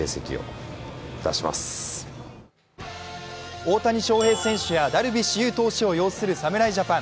大谷翔平選手やダルビッシュ有投手を擁する侍ジャパン。